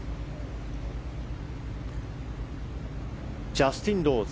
ジャスティン・ローズ。